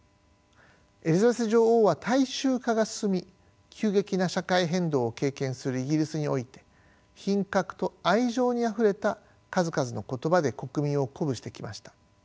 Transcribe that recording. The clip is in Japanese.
エリザベス女王は大衆化が進み急激な社会変動を経験するイギリスにおいて品格と愛情にあふれた数々の言葉で国民を鼓舞してきました。